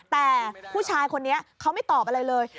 แต่ผู้ชายคนนี้เขาไม่ตอบอะไรเลย